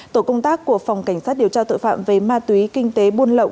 tổ công tác của phòng cảnh sát điều tra tội phạm về ma túy kinh tế buôn lậu